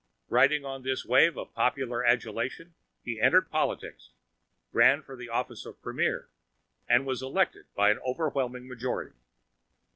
Riding on this wave of popular adulation, he entered politics, ran for the office of Premier, and was elected by an overwhelming majority.